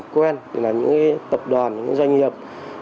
những khách hàng quen những tập đoàn những doanh nghiệp